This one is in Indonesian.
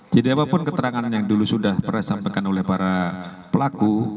jadi apapun keterangan yang dulu sudah disampaikan oleh para pelaku